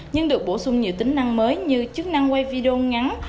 nhưng được bổ sung nhiều tính năng mới như chức năng quay video ngắn